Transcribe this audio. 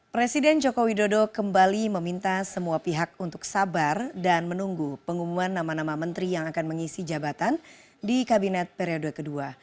presiden jokowi dodo kembali meminta semua pihak untuk sabar dan menunggu pengumuman nama nama menteri yang akan mengisi jabatan di kabinet periode kedua